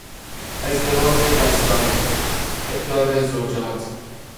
ازدواج بسگانه، تعدد زوجات